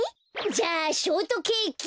じゃあショートケーキ。